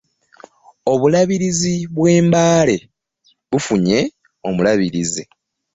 Obulabirizi bw'embaaale bufunye omulabirizi.